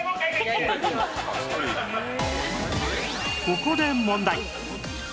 ここで問題